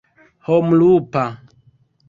homlupa